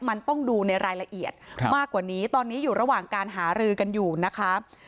มันต้องดูในรายละเอียดมากกว่านี้ตอนนี้อยู่ระหว่างการหารือกันอยู่นะคะ